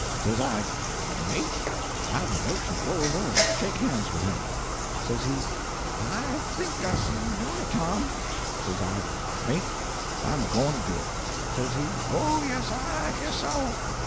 Says I, 'Mate, I've a notion to go over and shake hands with him.' Says he 'I think I see you doing it, Tom.' Says I, 'Mate I'm a going to do it.' Says he, 'Oh, yes, I guess so.